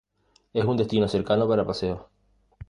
Es un destino cercano para paseos.